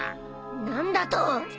何だと！？